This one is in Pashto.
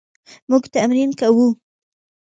موږ تمرین کوو